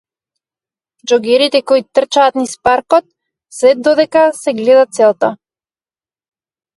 Џогерите кои трчаат низ паркот се додека се гледа целта.